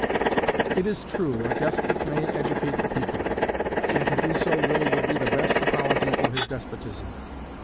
It is true, a despot may educate the people, and to do so really would be the best apology for his despotism.